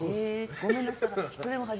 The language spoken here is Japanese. ごめんなさい。